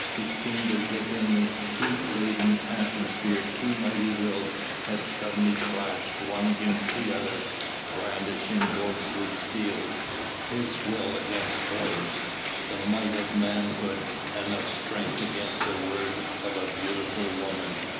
It seemed as if in the heat laden atmosphere two mighty wills had suddenly clashed one against the other, brandishing ghostly steels. His will against hers! The might of manhood and of strength against the word of a beautiful woman.